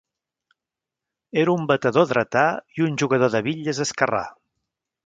Era un batedor dretà i un jugador de bitlles esquerrà.